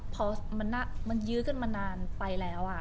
พอมันยื้อกันมานานไปแล้ว